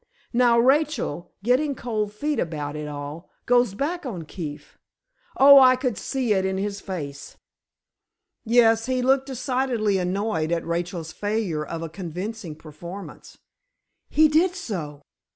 Now, Rachel, getting cold feet about it all, goes back on Keefe—oh, I could see it in his face!" "Yes, he looked decidedly annoyed at Rachel's failure of a convincing performance." "He did so!